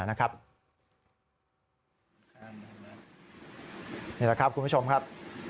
นี่แหละครับคุณผู้ชมครับ